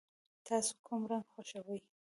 تاسو کوم رنګ خوښوئ؟